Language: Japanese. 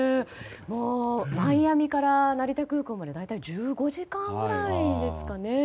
マイアミから成田空港まで大体１５時間ぐらいですかね。